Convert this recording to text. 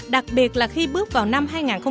đặc biệt là khi bước vào năm hai nghìn một mươi tám